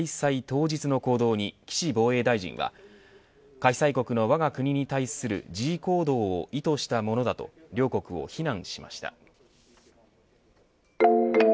当日の行動に岸防衛大臣は開催国のわが国に対する示威行動を意図したものだと両国を非難しました。